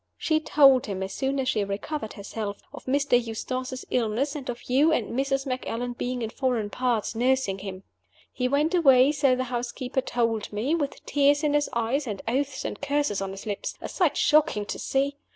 She told him (as soon as she recovered herself) of Mr. Eustace's illness, and of you and Mrs. Macallan being in foreign parts nursing him. He went away, so the housekeeper told me, with tears in his eyes, and oaths and curses on his lips a sight shocking to see.